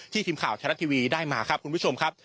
ที่ทีมข่าวไทยรัตทีวีได้มาคุณผู้ชมครับ